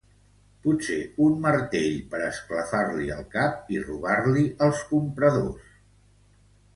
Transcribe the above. Potser un martell per esclafar-li el cap i robar-li els compradors.